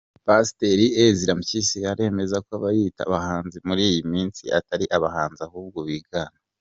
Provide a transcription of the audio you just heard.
Pasiteri Ezra Mpyisi aremeza ko abayita abahanzi muri iyi minsi atari abahanzi ahubwo bigana.